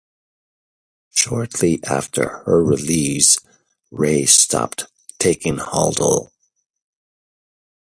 Shortly after her release, Ray stopped taking Haldol.